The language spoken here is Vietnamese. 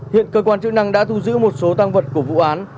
hiện cơ quan chức năng đã thu giữ một số tăng vật của vụ án